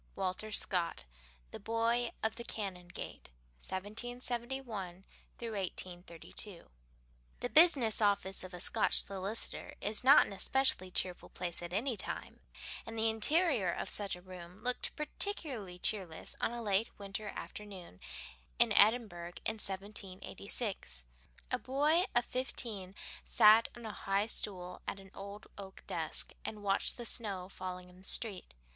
XV Walter Scott The Boy of the Canongate: 1771 1832 The business office of a Scotch solicitor is not an especially cheerful place at any time, and the interior of such a room looked particularly cheerless on a late winter afternoon in Edinburgh in 1786. A boy of fifteen sat on a high stool at an old oak desk, and watched the snow falling in the street.